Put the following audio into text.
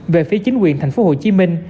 về phía chính quyền thành phố hồ chí minh